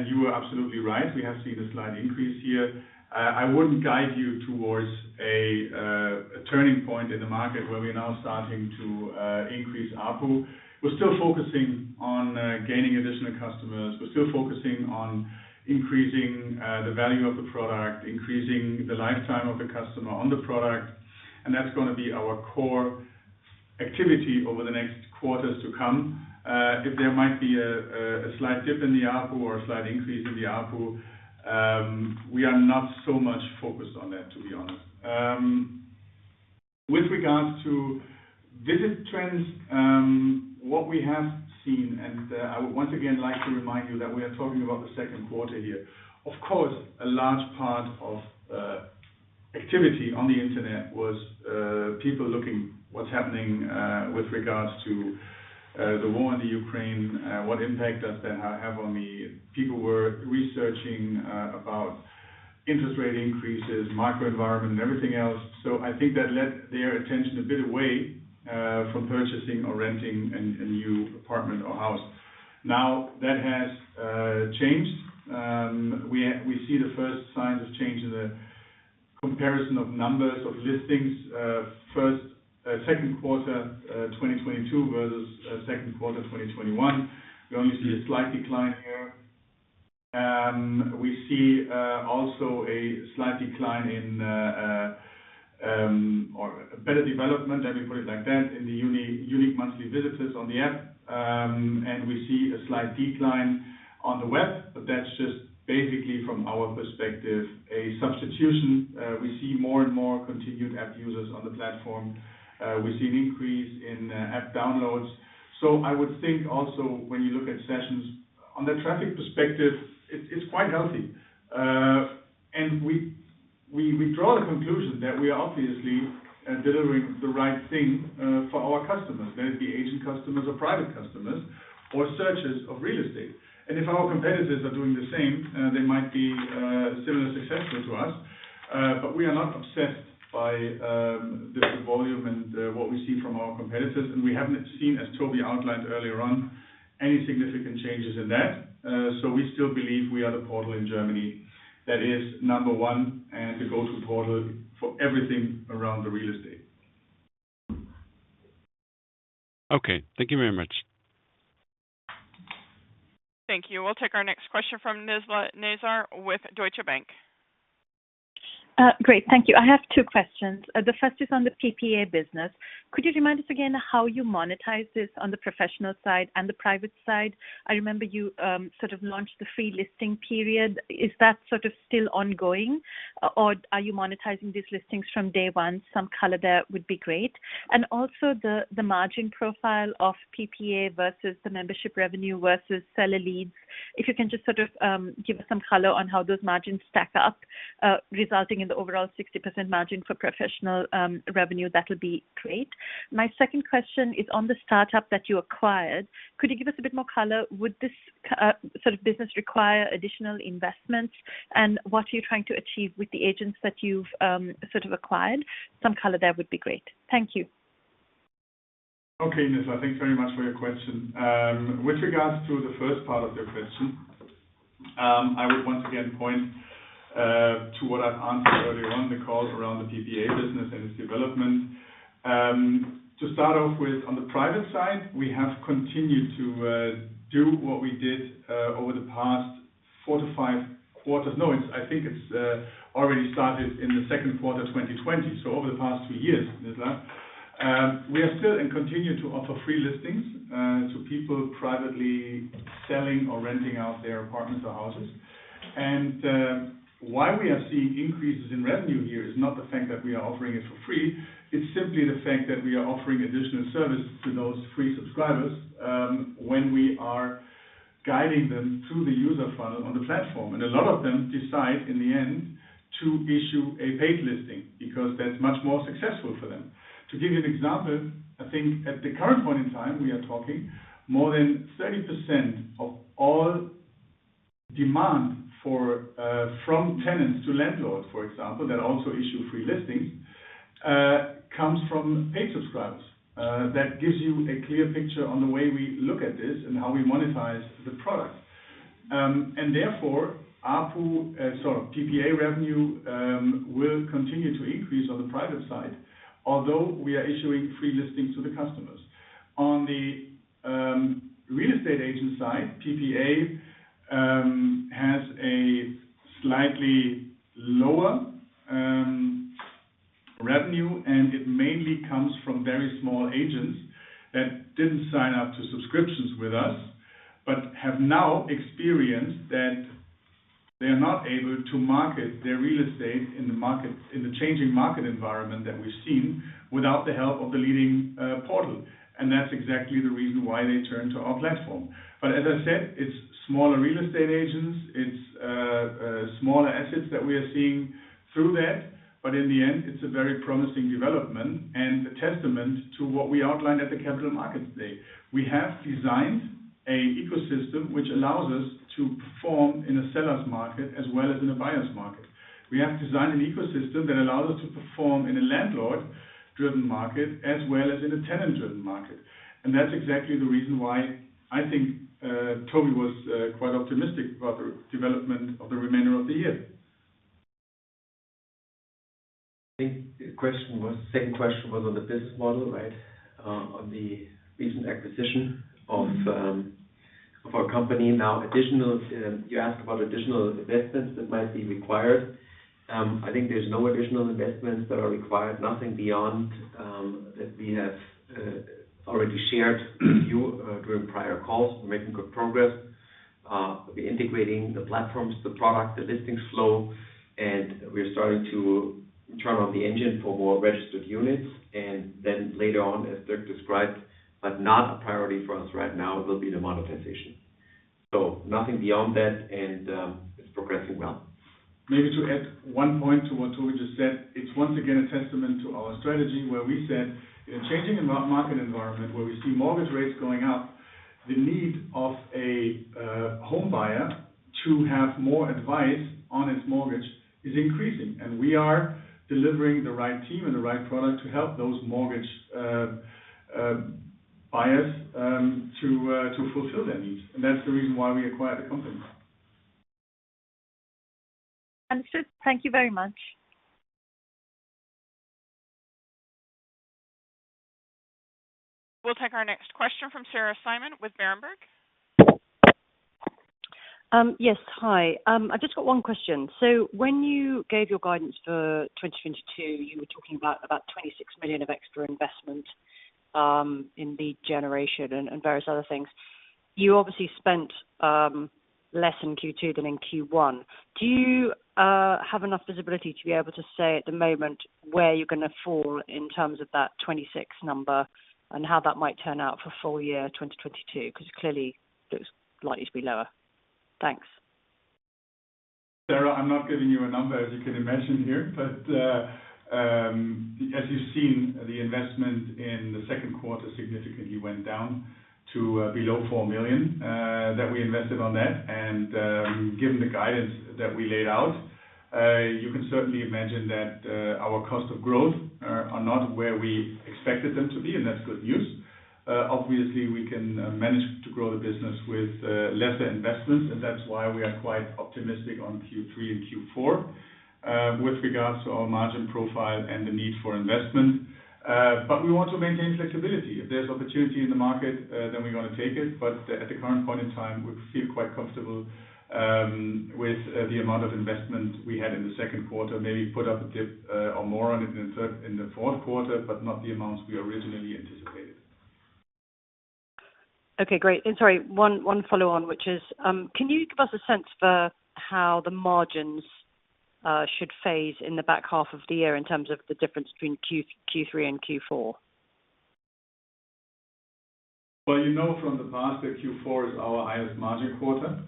S3: You are absolutely right, we have seen a slight increase here. I wouldn't guide you towards a turning point in the market where we're now starting to increase ARPU. We're still focusing on gaining additional customers. We're still focusing on increasing the value of the product, increasing the lifetime of the customer on the product, and that's gonna be our core activity over the next quarters to come. If there might be a slight dip in the ARPU or a slight increase in the ARPU, we are not so much focused on that, to be honest. With regards to visit trends, what we have seen, and I would once again like to remind you that we are talking about the second quarter here. Of course, a large part of activity on the Internet was people looking what's happening with regards to the war in the Ukraine. What impact does that have on me? People were researching about interest rate increases, macro environment, and everything else. I think that led their attention a bit away from purchasing or renting a new apartment or house. Now, that has changed. We see the first signs of change in the comparison of numbers of listings. First, second quarter 2022 versus second quarter of 2021. We only see a slight decline here. We see also a slight decline in or better development, let me put it like that, in the unique monthly visitors on the app. We see a slight decline on the web, but that's just basically from our perspective, a substitution. We see more and more continued app users on the platform. We see an increase in app downloads. I would think also when you look at sessions on the traffic perspective, it's quite healthy. We draw the conclusion that we are obviously delivering the right thing for our customers, whether it be agent customers or private customers or searchers of real estate. If our competitors are doing the same, they might be similarly successful to us. We are not obsessed by the volume and what we see from our competitors. We haven't seen, as Toby outlined earlier on, any significant changes in that. We still believe we are the portal in Germany that is number one and the go-to portal for everything around the real estate.
S10: Okay. Thank you very much.
S5: Thank you. We'll take our next question from Nizla Naizer with Deutsche Bank.
S11: Great. Thank you. I have two questions. The first is on the PPA business. Could you remind us again how you monetize this on the professional side and the private side? I remember you sort of launched the free listing period. Is that sort of still ongoing or are you monetizing these listings from day one? Some color there would be great. Also, the margin profile of PPA versus the membership revenue versus seller leads. If you can just sort of give us some color on how those margins stack up, resulting in the overall 60% margin for professional revenue, that would be great. My second question is on the startup that you acquired. Could you give us a bit more color? Would this sort of business require additional investments? What are you trying to achieve with the agents that you've sort of acquired? Some color there would be great. Thank you.
S3: Okay, Nizla. Thanks very much for your question. With regards to the first part of your question, I would once again point to what I've answered earlier on the call around the PPA business and its development. To start off with, on the private side, we have continued to do what we did over the past four to five quarters. It already started in the second quarter of 2020, so over the past two years, Nizla. We are still and continue to offer free listings to people privately selling or renting out their apartments or houses. Why we are seeing increases in revenue here is not the fact that we are offering it for free. It's simply the fact that we are offering additional services to those free subscribers, when we are guiding them through the user funnel on the platform. A lot of them decide in the end to issue a paid listing because that's much more successful for them. To give you an example, I think at the current point in time, we are talking more than 30% of all demand for, from tenants to landlords, for example, that also issue free listings, comes from paid subscribers. That gives you a clear picture on the way we look at this and how we monetize the product. Therefore, ARPU, sorry, PPA revenue, will continue to increase on the private side, although we are issuing free listings to the customers. On the real estate agent side, PPA has a slightly lower revenue, and it mainly comes from very small agents that didn't sign up to subscriptions with us, but have now experienced that they are not able to market their real estate in the market, in the changing market environment that we've seen without the help of the leading portal. That's exactly the reason why they turn to our platform. As I said, it's smaller real estate agents. It's smaller assets that we are seeing through that. In the end, it's a very promising development and a testament to what we outlined at the Capital Markets Day. We have designed an ecosystem which allows us to perform in a seller's market as well as in a buyer's market. We have designed an ecosystem that allows us to perform in a landlord-driven market as well as in a tenant-driven market. That's exactly the reason why I think Toby was quite optimistic about the development of the remainder of the year.
S2: I think the second question was on the business model, right? On the recent acquisition of our company. You asked about additional investments that might be required. I think there's no additional investments that are required, nothing beyond that we have already shared with you during prior calls. We're making good progress integrating the platforms, the products, the listings flow, and we're starting to turn on the engine for more registered units. Later on, as Dirk described, but not a priority for us right now, will be the monetization. Nothing beyond that, and it's progressing well.
S3: Maybe to add one point to what Toby just said. It's once again a testament to our strategy, where we said in a changing market environment where we see mortgage rates going up, the need of a homebuyer to have more advice on his mortgage is increasing. We are delivering the right team and the right product to help those mortgage buyers to fulfill their needs. That's the reason why we acquired the company.
S11: Understood. Thank you very much.
S5: We'll take our next question from Sarah Simon with Berenberg.
S12: Yes, hi. I've just got one question. When you gave your guidance for 2022, you were talking about about 26 million of extra investment in lead generation and various other things. You obviously spent less in Q2 than in Q1. Do you have enough visibility to be able to say at the moment where you're gonna fall in terms of that 26 number and how that might turn out for full year 2022? Because clearly looks likely to be lower. Thanks.
S3: Sarah, I'm not giving you a number, as you can imagine here. As you've seen, the investment in the second quarter significantly went down to below 4 million that we invested on that. Given the guidance that we laid out, you can certainly imagine that our cost of growth are not where we expected them to be, and that's good news. Obviously we can manage to grow the business with lesser investments, and that's why we are quite optimistic on Q3 and Q4 with regards to our margin profile and the need for investment. We want to maintain flexibility. If there's opportunity in the market, then we're gonna take it. At the current point in time, we feel quite comfortable with the amount of investment we had in the second quarter. Maybe put up a dip, or more on it in the fourth quarter, but not the amounts we originally anticipated.
S12: Okay, great. Sorry, one follow-on, which is, can you give us a sense for how the margins should phase in the back half of the year in terms of the difference between Q3 and Q4?
S3: Well, you know from the past that Q4 is our highest margin quarter.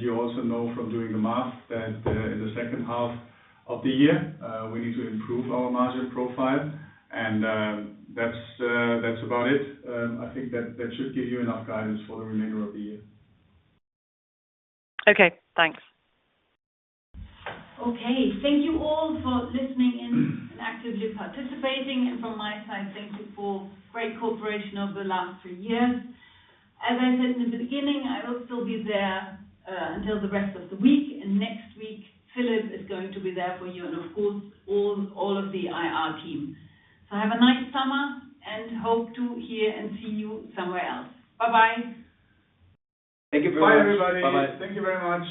S3: You also know from doing the math that in the second half of the year we need to improve our margin profile. That's about it. I think that should give you enough guidance for the remainder of the year.
S12: Okay, thanks.
S1: Okay. Thank you all for listening in and actively participating. From my side, thank you for great cooperation over the last three years. As I said in the beginning, I will still be there until the rest of the week. Next week, Philip is going to be there for you and of course, all of the IR team. Have a nice summer and hope to hear and see you somewhere else. Bye-bye.
S2: Thank you very much.
S3: Bye, everybody.
S2: Bye-bye.
S3: Thank you very much.